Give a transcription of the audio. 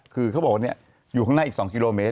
คือเขาบอกว่าอยู่ข้างหน้าอีก๒กิโลเมตร